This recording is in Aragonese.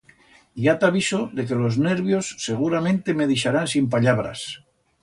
Ya t'aviso de que los nervios seguramente me dixarán sin pallabras.